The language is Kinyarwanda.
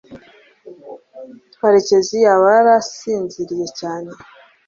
karekezi yaba yarasinziriye cyane